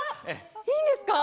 いいんですか？